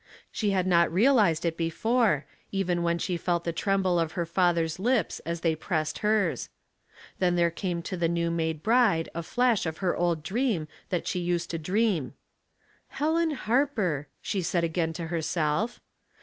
She had not realized it before, even when she felt the tremble of her father's lips as they pressed hers. Then there came to the new made bride a flash of her old dream that she used to dream. "Helen Harper,'' she said again to herself.